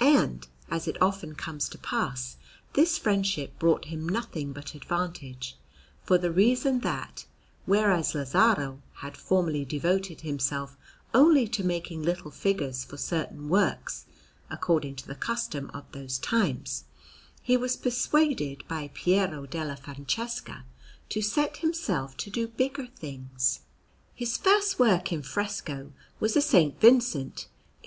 And, as it often comes to pass, this friendship brought him nothing but advantage, for the reason that, whereas Lazzaro had formerly devoted himself only to making little figures for certain works according to the custom of those times, he was persuaded by Piero della Francesca to set himself to do bigger things. His first work in fresco was a S. Vincent in S.